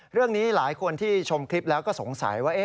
เรื่องนี้หลายคนที่ชมคลิปแล้วก็สงสัยว่า